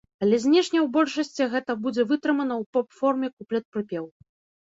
Але знешне ў большасці гэта будзе вытрымана ў поп-форме куплет-прыпеў.